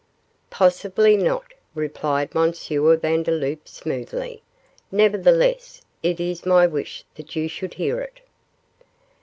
'Possibly not,' replied M. Vandeloup, smoothly; 'nevertheless it is my wish that you should hear it.